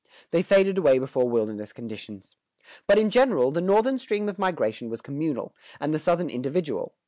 They faded away before wilderness conditions. But in general, the Northern stream of migration was communal, and the Southern individual.